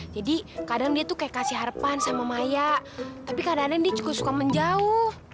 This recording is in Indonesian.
jadi kadang dia tuh kayak kasih harapan sama maya tapi kadang kadang dia juga suka menjauh